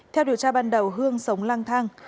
theo điều tra ban đầu hương sống lang thang